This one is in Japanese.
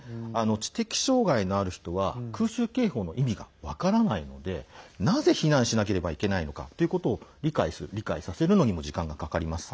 知的障害のある人は空襲警報の意味が分からないのでなぜ避難しなければいけないのかということを理解させるのにも時間がかかります。